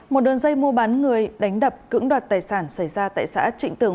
một đơn dây mua bán người đánh đập cững đoạt tài sản xảy ra tại xã trịnh tường